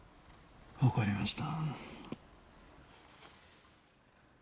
わかりました。